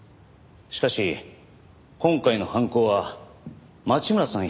しかし今回の犯行は町村さん